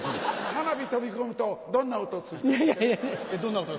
花火飛び込むとどんな音するか知ってる？